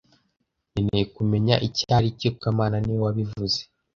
Nkeneye kumenya icyo aricyo kamana niwe wabivuze